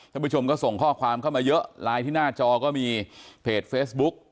ผู้ชมก็ส่งข้อความเข้ามาเยอะไลน์ที่หน้าจอก็มีเพจเฟซบุ๊ก